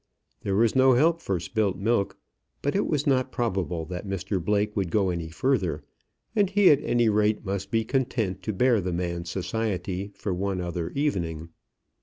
There was no help for spilt milk; but it was not probable that Mr Blake would go any further, and he at any rate must be content to bear the man's society for one other evening.